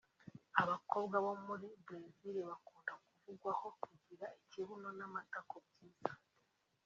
abakobwa bo muri Bresil bakunda kuvugwaho kugira ikibuno n’amatako byiza